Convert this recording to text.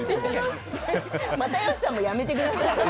又吉さんもやめてください。